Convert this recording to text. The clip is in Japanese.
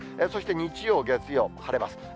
そして日曜、月曜、晴れます。